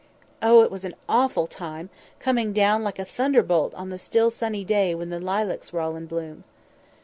Oh! it was an awful time; coming down like a thunder bolt on the still sunny day when the lilacs were all in bloom."